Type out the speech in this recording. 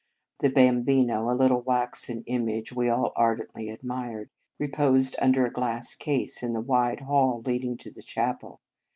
The Bambino, a little waxen image we all ardently admired, reposed under a glass case in the wide hall lead ing to the chapel.